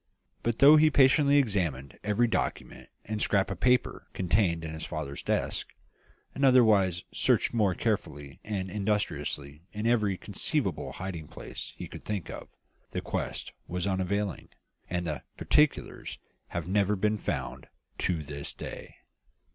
But though he patiently examined every document and scrap of paper contained in his father's desk, and otherwise searched most carefully and industriously in every conceivable hiding place he could think of, the quest was unavailing, and the particulars have never been found, to this day!"